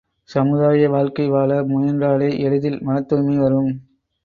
சமுதாய வாழ்க்கை வாழ முயன்றாலே எளிதில் மனத்துாய்மை வரும்.